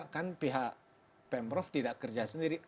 kan pihak pemprov tidak kerja sendiri